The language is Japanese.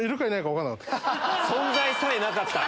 存在さえなかった。